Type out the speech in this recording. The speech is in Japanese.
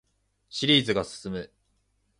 シリーズが進む